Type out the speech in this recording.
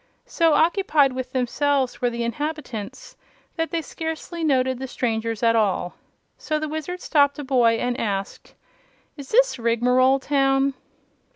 So occupied with themselves were the inhabitants that they scarcely noticed the strangers at all. So the Wizard stopped a boy and asked: "Is this Rigmarole Town?"